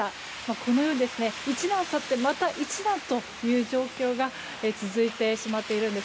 このように一難去ってまた一難という状況が続いてしまっているんです。